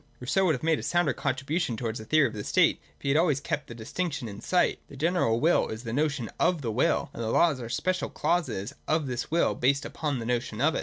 Rousseau would have made a sounder contribution towards a theory of the state, if he had always kept this distinction in sight. The general will is the notion of the will : and the laws are the special clauses of this will and based upon the notion of it.